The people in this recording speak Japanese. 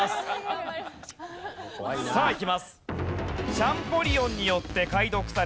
さあいきます。